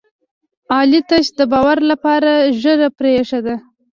علي تش د باور لپاره ږېره پرې ایښې ده.